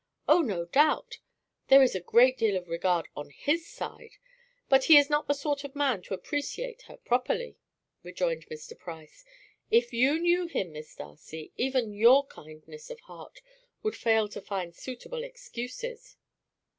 "Oh, no doubt, there is a great deal of regard on his side, but he is not the sort of man to appreciate her properly," rejoined Mr. Price. "If you knew him, Miss Darcy, even your kindness of heart would fail to find suitable excuses."